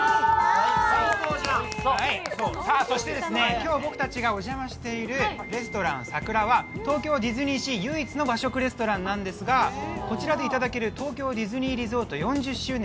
今日僕たちがお邪魔しているのは東京ディズニーシー唯一の和食レストランなんですが、こちらでいただける東京ディズニーリゾート４０周年